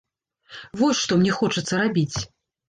Вось што мне хочацца рабіць!